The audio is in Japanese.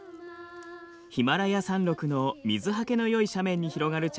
ヒマラヤ山麓の水はけのよい斜面に広がる茶